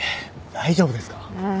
大丈夫ですか？